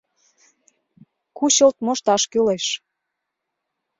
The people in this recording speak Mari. Кучылт мошташ кӱлеш.